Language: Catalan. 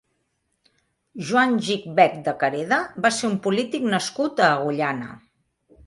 Joan Gich Bech de Careda va ser un polític nascut a Agullana.